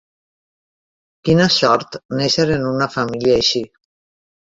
Quina sort, néixer en una família així.